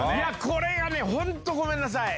これがね本当ごめんなさい。